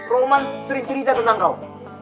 roman sering cerita tentang kaum